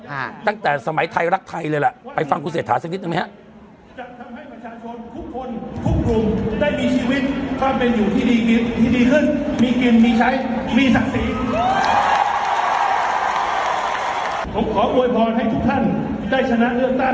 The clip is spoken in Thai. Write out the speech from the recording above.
ตั้งแต่สมัยไทยรักไทยเลยล่ะไปฟังคุณเศรษฐาสักนิดหนึ่งไหมฮะ